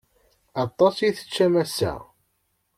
Aṭas i teččam ass-a.